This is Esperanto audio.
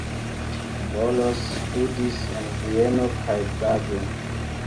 Boros studis en Vieno kaj Prago.